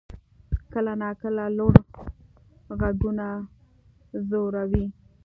کله ناکله لوړ غږونه ځوروي.